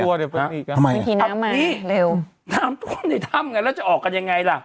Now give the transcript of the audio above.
เออปลอดภัยเพิ่งอีกครับอันนี้น้ำทุกคนในถ้ำไงแล้วจะออกกันยังไงล่ะ